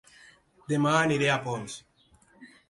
Dema aniré a Ponts